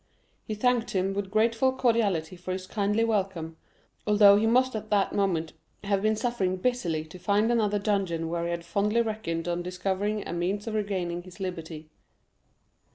He thanked him with grateful cordiality for his kindly welcome, although he must at that moment have been suffering bitterly to find another dungeon where he had fondly reckoned on discovering a means of regaining his liberty.